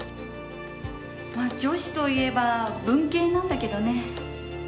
女子といえば文系なんだけどね。